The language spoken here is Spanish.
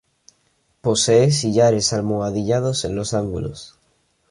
Posee sillares almohadillados en los ángulos.